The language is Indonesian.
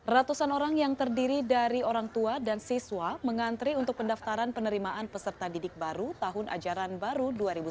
ratusan orang yang terdiri dari orang tua dan siswa mengantri untuk pendaftaran penerimaan peserta didik baru tahun ajaran baru dua ribu sembilan belas